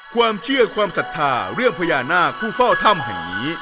ความเชื่อความศรัจฐาเรื่องพญานาคุ้ฟ่าวท่ำแห่งนี้